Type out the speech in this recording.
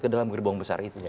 ke dalam gerbong besar itunya